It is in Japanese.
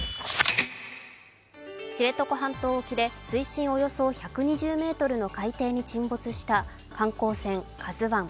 知床半島沖で水深およそ１２０ｍの海底に沈没した観光船「ＫＡＺＵⅠ」。